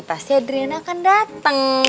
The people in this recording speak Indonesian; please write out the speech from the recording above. pasti adriana akan dateng